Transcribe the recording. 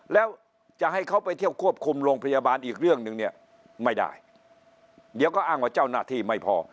แล้วจะให้เขาไปเที่ยวควบคุมโรงพยาบาลอีกเรื่องหนึ่งเนี่ยไม่ได้เดี๋ยวก็อ้างว่าเจ้าหน้าที่ไม่พอ